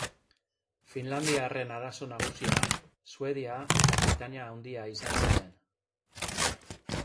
Finlandiarren arazo nagusia, Suedia eta Britainia Handia izan ziren.